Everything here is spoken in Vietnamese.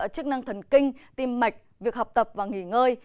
chức năng thần kinh tim mạch việc học tập và nghỉ ngơi